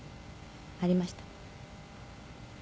ありました？」